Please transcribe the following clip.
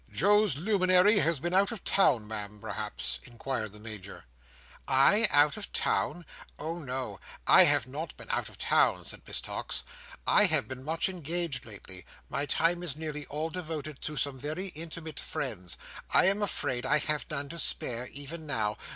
"Joe's luminary has been out of town, Ma'am, perhaps," inquired the Major. "I? out of town? oh no, I have not been out of town," said Miss Tox. "I have been much engaged lately. My time is nearly all devoted to some very intimate friends. I am afraid I have none to spare, even now.